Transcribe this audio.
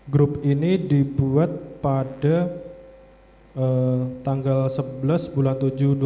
grup ini dibuat pada tanggal sebelas bulan tujuh dua ribu dua puluh